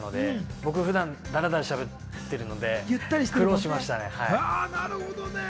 僕、普段だらだらしゃべってるので苦労しましたね。